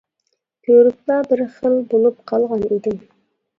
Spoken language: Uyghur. كۆرۈپلا بىر خىل بولۇپ قالغان ئىدىم.